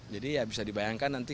jadi ya bisa dibayangkan nanti